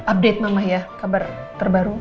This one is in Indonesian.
update mamah ya kabar terbaru